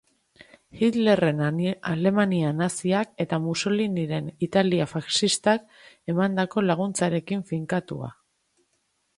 Hitlerren Alemania naziak eta Mussoliniren Italia faxistak emandako laguntzarekin finkatua.